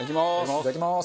いただきます。